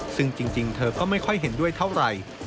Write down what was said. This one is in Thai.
ซึ่งจริงเธอก็ไม่ค่อยเห็นด้วยเท่าไหร่